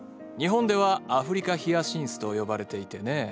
日本ではアフリカ・ヒアシンスと呼ばれていてね。